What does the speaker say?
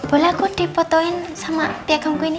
boleh aku dipotoin sama piagam gue ini